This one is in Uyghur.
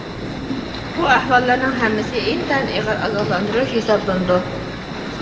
بۇ ئەھۋاللارنىڭ ھەممىسى ئىنتايىن ئېغىر ئاگاھلاندۇرۇش ھېسابلىنىدۇ.